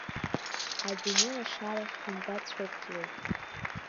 Адунеи лашарахь ҳанбацәырҵуеи.